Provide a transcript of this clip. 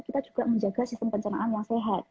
kita juga menjaga sistem pencernaan yang sehat